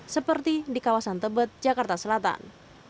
seperti di kawasan tebet jakarta selatan